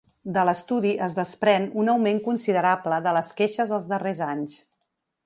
De l’estudi es desprèn un augment considerable de les queixes els darrers anys.